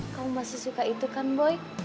kamu masih suka itu kan boy